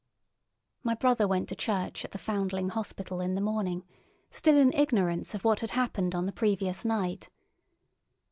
My brother went to church at the Foundling Hospital in the morning, still in ignorance of what had happened on the previous night.